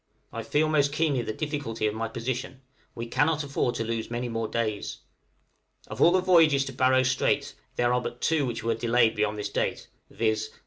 I feel most keenly the difficulty of my position; we cannot afford to lose many more days. Of all the voyages to Barrow Strait, there are but two which were delayed beyond this date, viz.